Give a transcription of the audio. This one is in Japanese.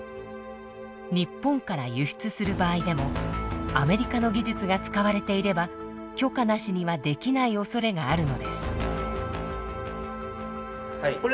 日本から輸出する場合でもアメリカの技術が使われていれば許可なしにはできないおそれがあるのです。